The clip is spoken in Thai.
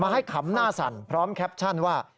ให้ขำหน้าสั่นพร้อมแคปชั่นว่า